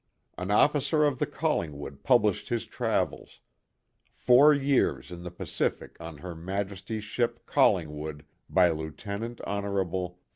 An officer of the Collingwood published his travels, "Four Years in the Pacific on Her Maj esty's Ship, Collingwood^ by Lieut. Hon.